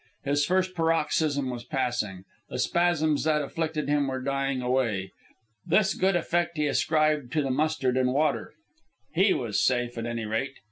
His first paroxysm was passing. The spasms that afflicted him were dying away. This good effect he ascribed to the mustard and water. He was safe, at any rate.